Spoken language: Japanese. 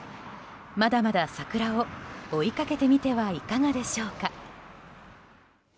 まだまだ桜を追いかけてみてはいかがでしょうか。